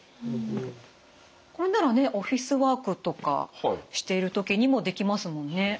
これならねオフィスワークとかしている時にもできますもんね。